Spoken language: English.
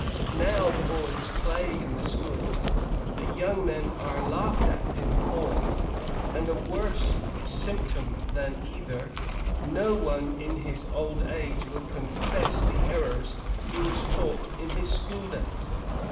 Now the boys play in the schools, the young men are laughed at in the forum, and, a worse symptom than either, no one, in his old age, will confess the errors he was taught in his school days.